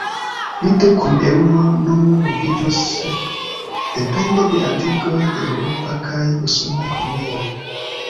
Lido kun eŭro nun moviĝos depende de atingoj de eŭropa kaj usona ekonomioj.